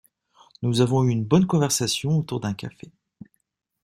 Nous avons eu une bonne conversation autour d'un café.